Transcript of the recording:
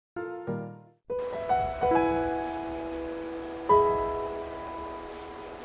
หรือทำแทนการติดตามต่อไป